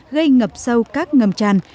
gây ngập sâu các ngầm tràn